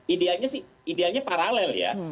idealnya sih idealnya paralel ya